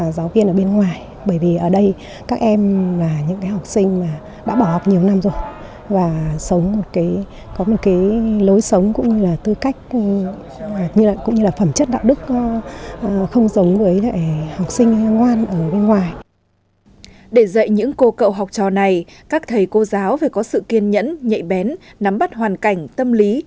để dạy những cô cậu học trò này các thầy cô giáo phải có sự kiên nhẫn nhạy bén nắm bắt hoàn cảnh tâm lý